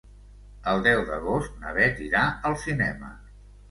El deu d'agost na Beth irà al cinema.